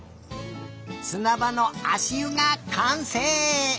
すなばのあしゆがかんせい！